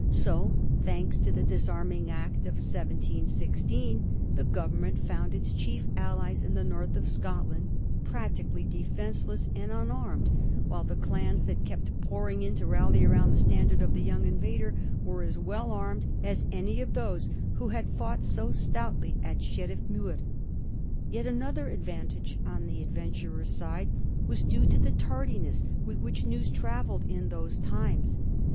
So that, thanks to the Disarming Act of 1 716, the Govern ment found its chief allies in the north of Scotland practi cally defenceless and unarmed, while the clans that kept pouring in to rally around tlie standard of the young invader were as well armed as any of those who had fought so stout ly at Sheriff muir. Yet anotner advantage on the advent urer's side was due to the tardiness with which news trav elled in those times.